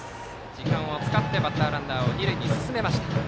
時間を使ってバッターランナーを二塁に進めました。